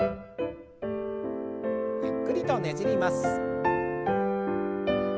ゆっくりとねじります。